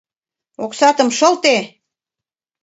— Оксатым шылте.